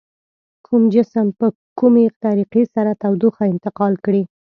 کوم جسم په کومې طریقې سره تودوخه انتقال کړي؟